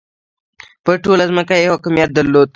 پر ټوله ځمکه یې حاکمیت درلود.